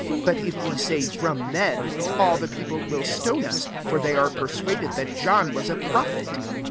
6 But if we say, * From men ;' all the | people will stone us : for they are persuaded that John was a prophet."